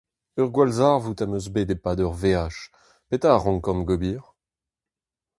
Ur gwallzarvoud am eus bet e-pad ur veaj, petra a rankan ober ?